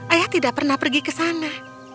ayah tidak pernah pergi ke sana